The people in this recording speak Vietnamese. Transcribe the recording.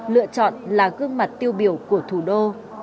lựa chọn là gương mặt tiêu biểu của thủ đô